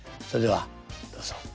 それではどうぞ。